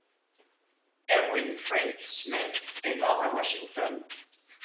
Erwin Frink Smith est mort à Washington.